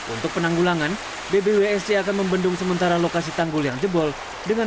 untuk penanggulangan bbwsc akan membendung sementara lokasi tanggul yang jebol dengan